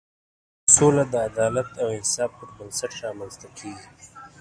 ځکه چې سوله د عدالت او انصاف پر بنسټ رامنځته کېږي.